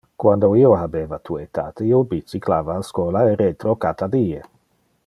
Quando io habeva tu etate, io bicyclava al schola e retro cata die.